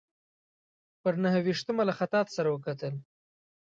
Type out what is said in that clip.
پر نهه ویشتمه له خطاط سره وکتل.